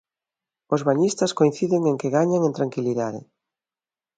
Os bañistas coinciden en que gañan en tranquilidade.